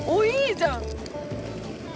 じゃん